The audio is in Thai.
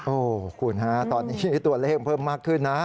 โอ้โหคุณฮะตอนนี้ตัวเลขเพิ่มมากขึ้นนะ